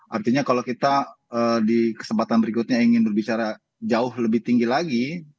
artinya kalau kita di kesempatan berikutnya ingin berbicara jauh lebih tinggi lagi